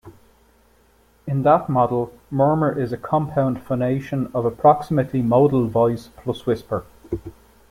In that model, murmur is a compound phonation of approximately modal voice plus whisper.